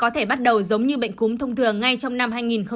thường ngay trong năm hai nghìn hai mươi hai